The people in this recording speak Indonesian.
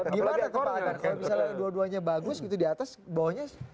gimana tempatnya kalau misalnya dua duanya bagus gitu di atas bawahnya